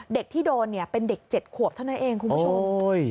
เด็กที่โดนเนี่ยเป็นเด็ก๗ขวบเท่านั้นเองคุณผู้ชม